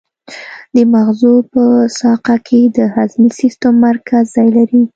د مغزو په ساقه کې د هضمي سیستم مرکز ځای لري.